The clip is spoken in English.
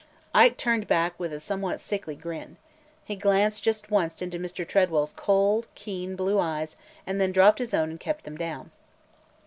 Ike turned back with a somewhat sickly grin. He glanced just once into Mr. Tredwell's cold, keen, blue eyes and then dropped his own and kept them down.